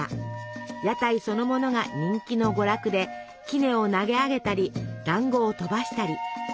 屋台そのものが人気の娯楽できねを投げ上げたりだんごを飛ばしたり。